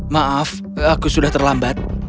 maaf aku sudah terlambat